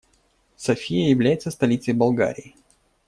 София является столицей Болгарии.